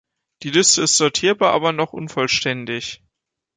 Die Liste ist sortierbar, aber noch unvollständig.